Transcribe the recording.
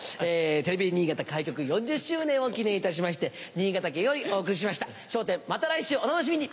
テレビ新潟開局４０周年を記念いたしまして新潟県よりお送りしました『笑点』また来週お楽しみに！